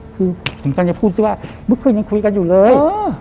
คือผมกำลังจะพูดสิว่าเมื่อคืนยังคุยกันอยู่เลย